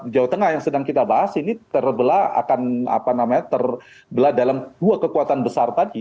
jawa tengah yang sedang kita bahas ini terbelah akan terbelah dalam dua kekuatan besar tadi